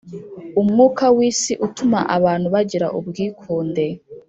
Umwuka w isi utuma abantu bagira ubwikunde .